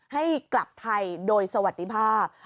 ให้กลับไทยโดยสวัสดีภาพ